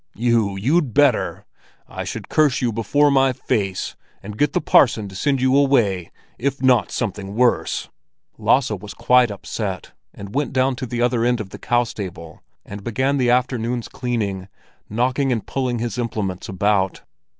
"You—you'd better! I should curse you before my face, and get the parson to send you away—if not something worse!" Lasse was quite upset, and went off down to the other end of the cow stable and began the afternoon's cleaning, knocking and pulling his implements about.